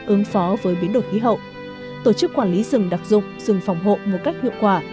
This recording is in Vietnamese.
ứng phó với biến đổi khí hậu tổ chức quản lý rừng đặc dụng rừng phòng hộ một cách hiệu quả